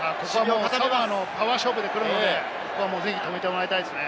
パワー勝負でくるので、ぜひ止めてもらいたいですね。